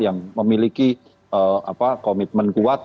yang memiliki komitmen kuat